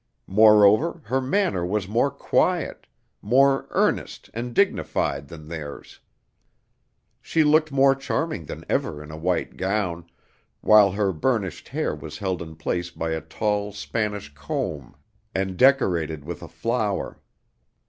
Moreover, her manner was more quiet, more earnest and dignified than theirs. She looked more charming than ever in a white gown, while her burnished hair was held in place by a tall Spanish comb, and decorated with a flower.